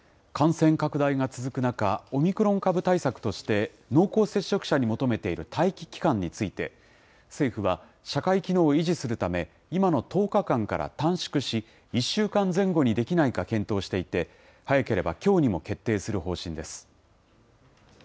感染拡大が続く中、オミクロン株対策として、濃厚接触者に求めている待機期間について、政府は社会機能を維持するため、今の１０日間から短縮し、１週間前後にできないか検討していて、早ければきょうにも決定する方針です。